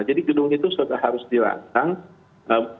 jadi gedung itu sudah harus dilantang